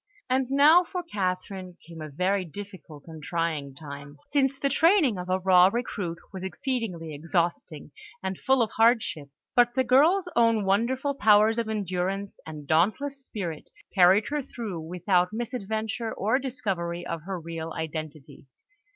And now for Catherine came a very difficult and trying time, since the training of a raw recruit was exceedingly exhausting and full of hardships; but the girl's own wonderful powers of endurance and dauntless spirit carried her through without misadventure, or discovery of her real identity.